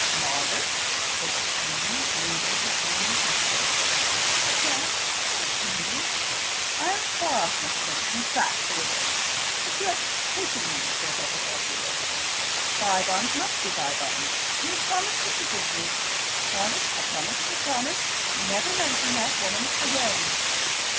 "Margaret!" he exclaimed, loosing her arm impressively. "Yes yes, Henry?" "I am far from a saint in fact, the reverse but you have taken me, for better or worse. Bygones must be bygones. You have promised to forgive me. Margaret, a promise is a promise. Never mention that woman again."